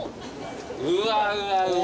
うわうわうわ！